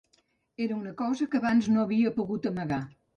Era una cosa que abans no havia pogut amagar.